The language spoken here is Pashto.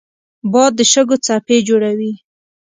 باد د شګو څپې جوړوي